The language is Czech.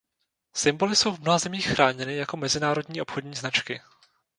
Symboly jsou v mnoha zemích chráněny jako mezinárodní obchodní značky.